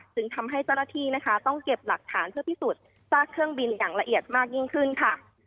จึงทำให้เจ้าหน้าที่นะคะต้องเก็บหลักฐานเพื่อพิสูจน์ซากเครื่องบินอย่างละเอียดมากยิ่งขึ้นค่ะ